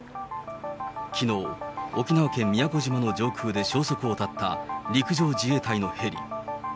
きのう、沖縄県宮古島の上空で消息を絶った、陸上自衛隊のヘリ。